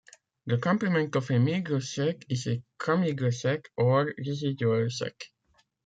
The complement of a meagre set is a comeagre set or residual set.